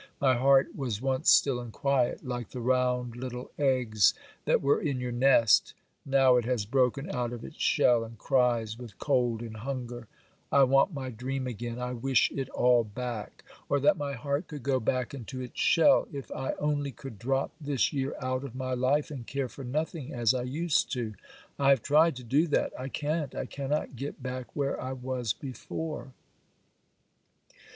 My heart was once still and quiet, like the round little eggs that were in your nest,—now it has broken out of its shell, and cries with cold and hunger: I want my dream again,—I wish it all back,—or that my heart could go back into its shell. If I only could drop this year out of my life, and care for nothing, as I used to,—I have tried to do that—I can't—I cannot get back where I was before.